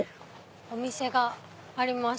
お店があります